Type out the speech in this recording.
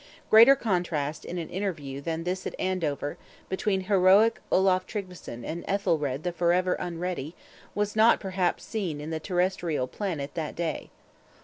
Greater contrast in an interview than in this at Andover, between heroic Olaf Tryggveson and Ethelred the forever Unready, was not perhaps seen in the terrestrial Planet that day.